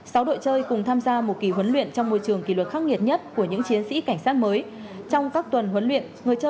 sáu đội chơi cùng tham gia một kỳ huấn luyện trong môi trường kỳ luật khắc nghiệt nhất của những chiến sĩ cảnh sát mới